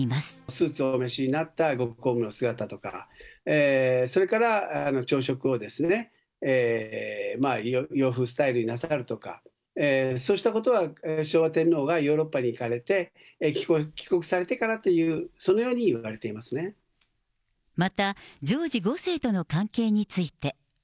スーツをお召しになったご公務の姿とか、それから、朝食を洋風スタイルになさるとか、そうしたことは、昭和天皇がヨーロッパに行かれて、帰国されてからという、また、ジョージ５世との関係について。